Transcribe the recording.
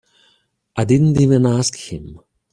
I didn't even ask him.